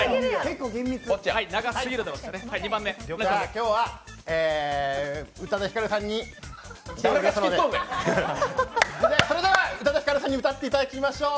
今日は宇多田ヒカルさんにゲストですのでそれでは宇多田ヒカルさんに歌っていただきましょう。